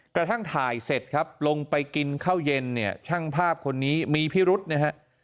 กระทั่งถ่ายเสร็จครับลงไปกินข้าวเย็นเนี่ยช่างภาพคนนี้มีพิรุษนะฮะ